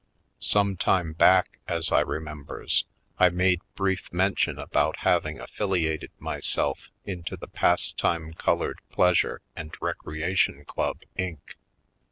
Some time back, as I remembers, I made brief mention about having affiliated my self into the Pastime Colored Pleasure and Recreation Club, Inc.